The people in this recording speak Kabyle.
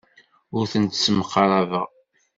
Ur ten-ssemqrabeɣ.